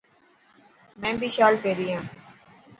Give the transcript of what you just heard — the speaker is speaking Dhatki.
مين بي شال پيري هان.